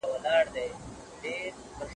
زمونږ په هېواد کي پیښې ډیرې ژر بدلې سوې.